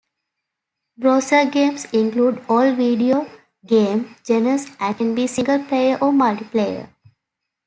Browser games include all video game genres and can be single-player or multiplayer.